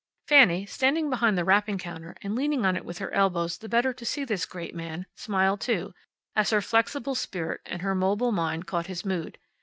Fanny, standing behind the wrapping counter, and leaning on it with her elbows the better to see this great man, smiled too, as her flexible spirit and her mobile mind caught his mood.